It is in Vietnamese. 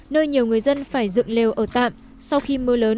nơi nhiều người dân phải dựng lều ở tạm sau khi mưa lớn